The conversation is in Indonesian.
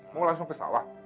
mau langsung ke sawah